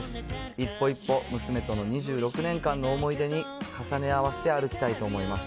一歩一歩、娘との２６年間の思い出に、重ね合わせて歩きたいと思います。